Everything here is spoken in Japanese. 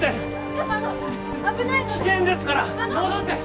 ちょっとあの危ないので危険ですから戻って！